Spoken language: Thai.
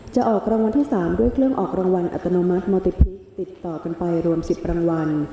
ออกรางวัลที่๓ด้วยเครื่องออกรางวัลอัตโนมัติโมติพิษติดต่อกันไปรวม๑๐รางวัล